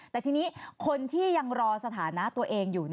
แต่ทีนี้คนที่ยังรอสถานะตัวเองอยู่